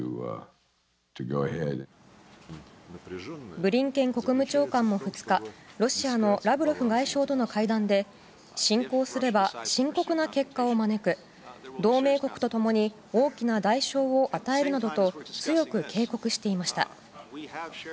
ブリンケン国務長官も２日ロシアのラブロフ外相との会談で侵攻すれば深刻な結果を招く同盟国と共に大きな代償を与えるなどと強く警告していました。